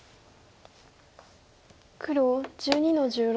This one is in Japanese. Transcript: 黒１２の十六。